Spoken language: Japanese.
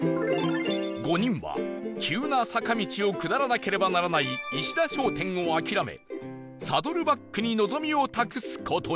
５人は急な坂道を下らなければならないいしだ商店を諦めサドルバックに望みを託す事に